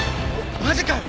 マジかよ！